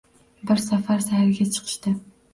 Bir safar sayrga chiqishdi